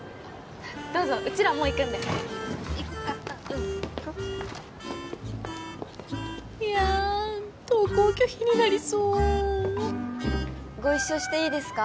どうぞうちらもう行くんで行こっかうん行こうやーん登校拒否になりそご一緒していいですか？